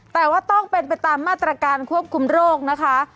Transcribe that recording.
แต่ว่าต้องเป็นไปตามมาตรการควบคุมโรคนะคะ